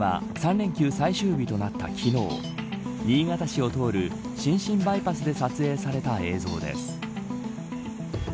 これは３連休最終日となった昨日新潟市を通る新新バイパスで撮影された映像です。